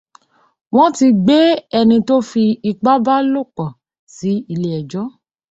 Wọ́n ti gbé ẹni tó fi ipá bá lopọ̀ sí ilé-ẹjọ̀.